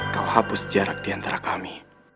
kau hapus jarak diantara kami